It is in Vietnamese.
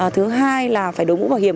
thứ hai là phải đối mũ bảo hiểm